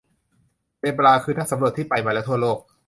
เดบราคือนักสำรวจที่ไปมาแล้วทั่วโลก